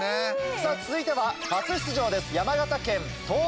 さぁ続いては初出場です。